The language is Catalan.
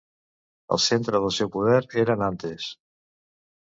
El centre del seu poder era Nantes.